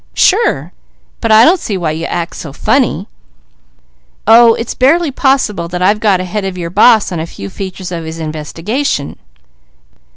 "Sure! But I don't see why you act so funny!" "Oh it's barely possible that I've got ahead of your boss on a few features of his investigation."